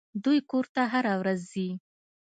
دوى کور ته هره ورځ ځي.